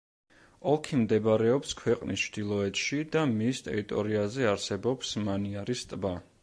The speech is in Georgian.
ოლქი მდებარეობს ქვეყნის ჩრდილოეთში და მის ტერიტორიაზე არსებობს მანიარის ტბა.